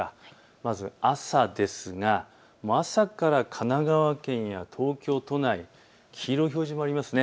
まず朝ですが朝から神奈川県や東京都内、黄色い表示もありますね。